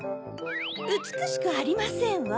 うつくしくありませんわ。